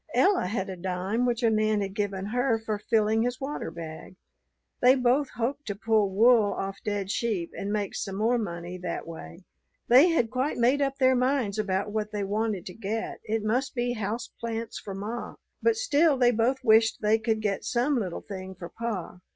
Ella had a dime which a man had given her for filling his water bag. They both hoped to pull wool off dead sheep and make some more money that way. They had quite made up their minds about what they wanted to get: it must be house plants for ma; but still they both wished they could get some little thing for pa.